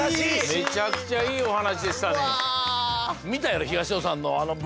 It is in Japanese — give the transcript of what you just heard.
めちゃくちゃいいお話でしたね見たやろ？